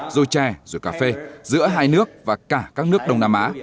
rồi chè rồi cà phê giữa hai nước và cả các nước đông nam á